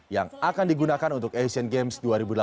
yang akan digunakan untuk asian games dua ribu delapan belas